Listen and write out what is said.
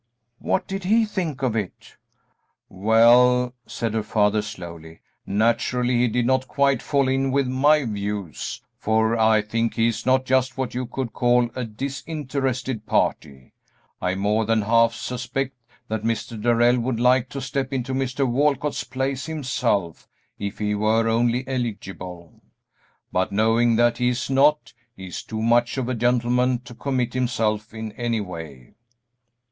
"What did he think of it?" "Well," said her father, slowly, "naturally he did not quite fall in with my views, for I think he is not just what you could call a disinterested party. I more than half suspect that Mr. Darrell would like to step into Mr. Walcott's place himself, if he were only eligible, but knowing that he is not, he is too much of a gentleman to commit himself in any way."